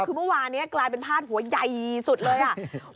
คือเมื่อวานนี้กลายเป็นพาดหัวใหญ่สุดเลยอ่ะ